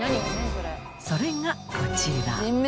それがこちら。